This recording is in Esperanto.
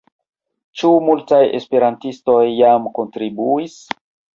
Ĉu multaj esperantistoj jam kontribuis?